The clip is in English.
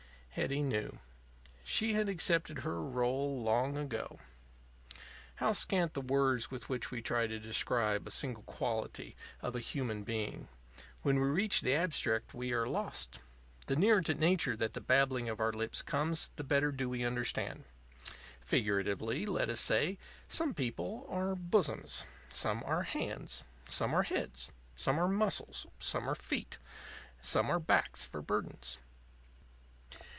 Hetty knew. She had accepted her r├┤le long ago. How scant the words with which we try to describe a single quality of a human being! When we reach the abstract we are lost. The nearer to Nature that the babbling of our lips comes, the better do we understand. Figuratively (let us say), some people are Bosoms, some are Hands, some are Heads, some are Muscles, some are Feet, some are Backs for burdens.